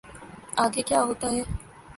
آگے کیا ہوتا ہے۔